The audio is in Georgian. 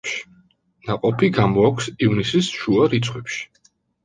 ნაყოფი გამოაქვს ივნისის შუა რიცხვებში.